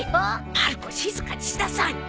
まる子静かにしなさい。